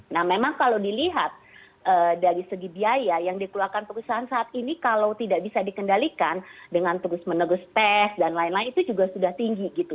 nah memang kalau dilihat dari segi biaya yang dikeluarkan perusahaan saat ini kalau tidak bisa dikendalikan dengan terus menerus tes dan lain lain itu juga sudah tinggi gitu